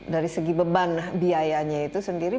dari segi beban biayanya itu sendiri